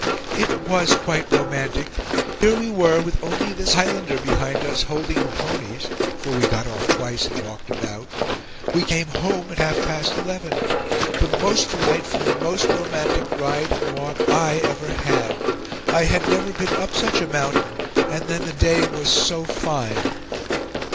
"It was quite romantic. Here we were with only this Highlander behind us holding the ponies (for we got off twice and walked about). ... We came home at half past eleven, the most delightful, most romantic ride and walk I ever had. I had never been up such a mountain, and then the day was so fine."